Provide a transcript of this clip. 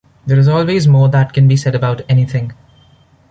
There is always more that can be said about anything.